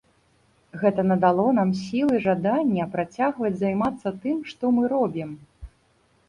Гэта надало нам сіл і жадання працягваць займацца тым, што мы робім.